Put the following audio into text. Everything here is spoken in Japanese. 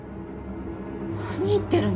何言ってるの？